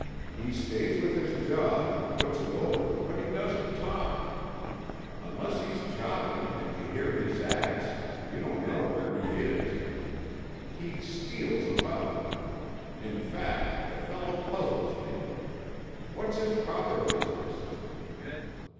"He stays with his job, and puts it over, but he doesn't talk. Unless he's chopping and you hear his ax, you don't know where he is. He steals about. In fact, the fellow puzzles me. What's his proper business?"